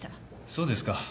そうですか。